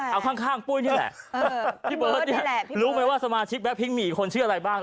เอาข้างปุ้ยนี่แหละพี่เบิร์ตนี่แหละรู้ไหมว่าสมาชิกแก๊พิ้งมีอีกคนชื่ออะไรบ้าง